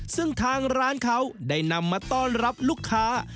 ซึ่งทางร้านเขาได้นำมาต้อนรับลูกค้า